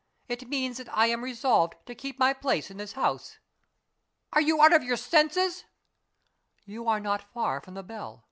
It means that I am resolved to keep my place in this house." "Are you out of your senses?" "You are not far from the bell.